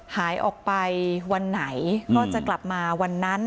หายออกไปวันไหนก็จะกลับมาวันนั้น